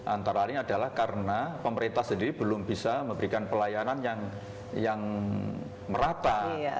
antara lain adalah karena pemerintah sendiri belum bisa memberikan pelayanan yang merata